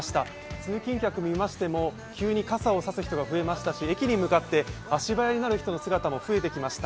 通勤客を見ましても、急に傘を差す人が増えましたし、駅に向かって足早になる人の姿も増えてきました。